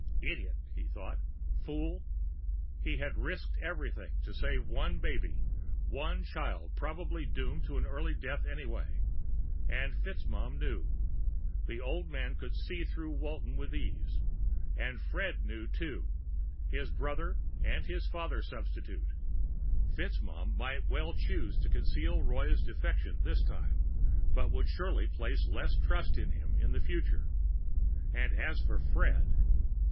Idiot! he thought. Fool! He had risked everything to save one baby, one child probably doomed to an early death anyway. And FitzMaugham knew the old man could see through Walton with ease and Fred knew, too. His brother, and his father substitute. FitzMaugham might well choose to conceal Roy's defection this time, but would surely place less trust in him in the future. And as for Fred....